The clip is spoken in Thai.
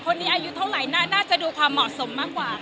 อายุเท่าไหร่น่าจะดูความเหมาะสมมากกว่า